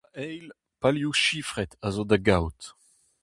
Da eil, palioù sifret a zo da gaout.